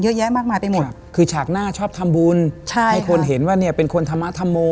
เยอะแยะมากมายไปหมดคือฉากหน้าชอบทำบุญใช่ให้คนเห็นว่าเนี่ยเป็นคนธรรมธรรโม